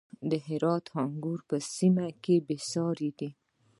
د هرات انګور په سیمه کې بې ساري دي.